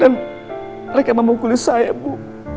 dan mereka memukul saya bu